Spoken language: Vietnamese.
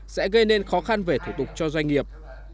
sẽ gây nên khó khăn về thủ tục cho doanh nghiệp